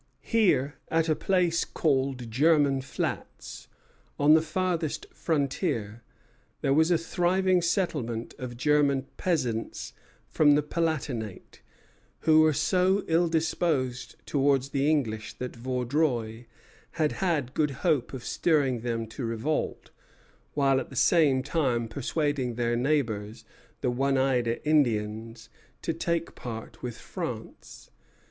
Here, at a place called German Flats, on the farthest frontier, there was a thriving settlement of German peasants from the Palatinate, who were so ill disposed towards the English that Vaudreuil had had good hope of stirring them to revolt, while at the same time persuading their neighbors, the Oneida Indians, to take part with France.